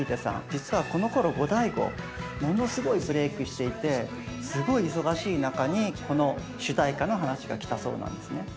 実はこのころゴダイゴものすごいブレークしていてすごい忙しい中にこの主題歌の話が来たそうなんですね。